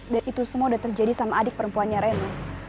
dan itu semua udah terjadi sama adik perempuannya reno